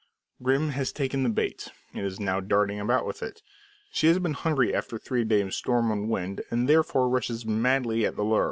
Grim has taken the bait, and is now darting about with it. She had been hungry after three days' storm and wind, and had therefore rushed blindly at the lure.